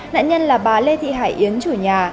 nạn nhân là bà lê thị hải yến chủ nhà